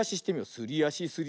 すりあしすりあし。